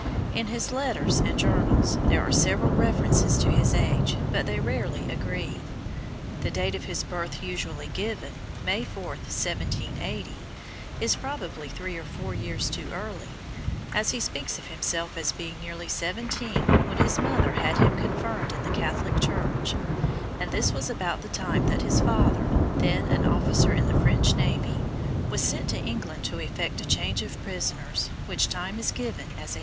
In his letters and journals there are several references to his age, but they rarely agree. The date of his birth usually given, May 4, 1780, is probably three or four years too early, as he speaks of himself as being nearly seventeen when his mother had him confirmed in the Catholic Church, and this was about the time that his father, then an officer in the French navy, was sent to England to effect a change of prisoners, which time is given as 1801.